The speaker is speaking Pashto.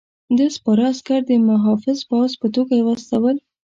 ده سپاره عسکر د محافظ پوځ په توګه واستول.